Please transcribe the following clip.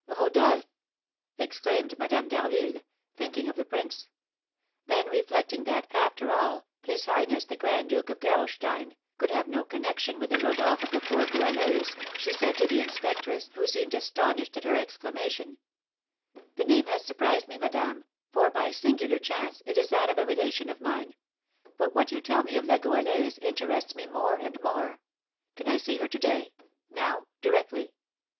"Rodolph!" exclaimed Madame d'Harville, thinking of the prince. Then, reflecting that, after all, his highness the Grand Duke of Gerolstein could have no connection with the Rodolph of the poor Goualeuse, she said to the inspectress, who seemed astonished at her exclamation: "The name has surprised me, madame, for, by a singular chance, it is that of a relation of mine; but what you tell me of La Goualeuse interests me more and more. Can I see her to day? now directly?"